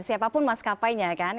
siapapun maskapainya kan